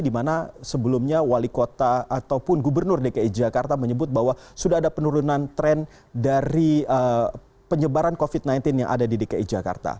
dimana sebelumnya wali kota ataupun gubernur dki jakarta menyebut bahwa sudah ada penurunan tren dari penyebaran covid sembilan belas yang ada di dki jakarta